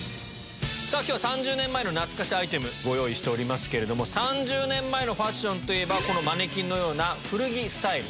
今日は３０年前の懐かしアイテムご用意しておりますけれども３０年前のファッションといえばマネキンのような古着スタイル。